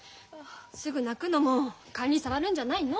すぐ泣くのもカンに障るんじゃないの？